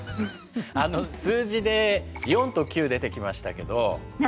あの数字で４と９出てきましたけど。